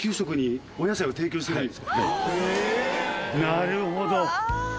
なるほど！